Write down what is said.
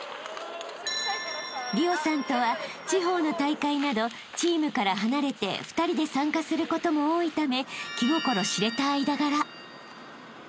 ［莉緒さんとは地方の大会などチームから離れて２人で参加することも多いため］